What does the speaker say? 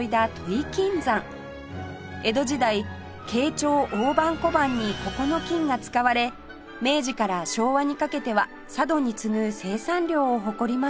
江戸時代慶長大判小判にここの金が使われ明治から昭和にかけては佐渡に次ぐ生産量を誇りました